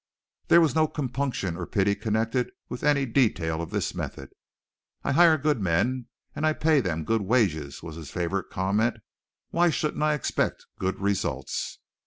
There was no compunction or pity connected with any detail of this method. "I hire good men and I pay them good wages," was his favorite comment. "Why shouldn't I expect good results?"